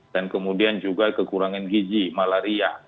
dan kemudian juga kekurangan gizi malaria